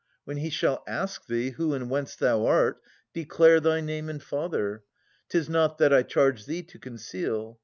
When he shall ask thee, who and whence thou art, Declare thy name and father. 'Tis not that I charge thee to conceal.